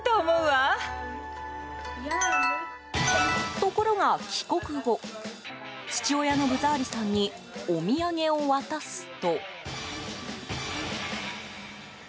ところが、帰国後父親のブザーリさんにお土産を渡すと。